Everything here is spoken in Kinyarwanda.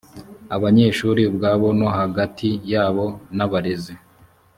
abanyeshuri ubwabo no hagati yabo n abarezi